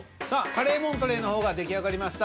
カレーモントレーの方が出来上がりました。